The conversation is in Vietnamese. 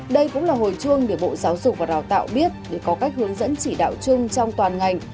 đây cũng là hồi chuông để bộ giáo dục và đào tạo biết để có các hướng dẫn chỉ đạo chung trong toàn ngành